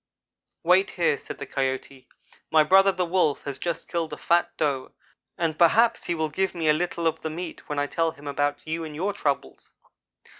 "'Wait here,' said the Coyote, 'my brother the Wolf has just killed a fat Doe, and perhaps he will give me a little of the meat when I tell him about you and your troubles.'